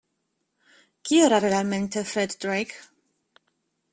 Chi era realmente Fred Drake?